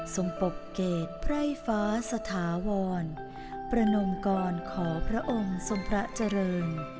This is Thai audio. ปกเกตไพร่ฟ้าสถาวรประนมกรขอพระองค์ทรงพระเจริญ